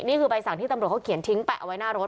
นี่คือใบสั่งที่ตำรวจเขาเขียนทิ้งแปะเอาไว้หน้ารถ